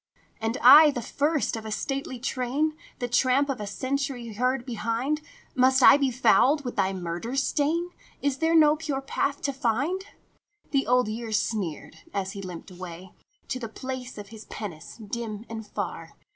" And I, the first of a stately train, The tramp of a century heard behind, Must I be fouled with thy murder stain? Is there no pure path to find? " The Old Year sneered as he limped away To the place of his penance dim and far.